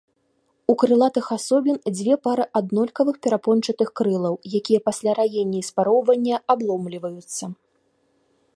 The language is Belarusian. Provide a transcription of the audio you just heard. У крылатых асобін дзве пары аднолькавых перапончатых крылаў, якія пасля раення і спароўвання абломліваюцца.